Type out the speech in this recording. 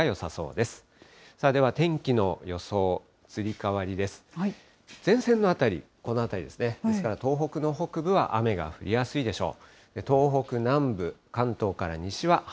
ですから東北の北部は雨が降りやすいでしょう。